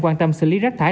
quan tâm xử lý rác thải